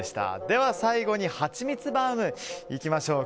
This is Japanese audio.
では最後にはちみつバウム、いきましょう。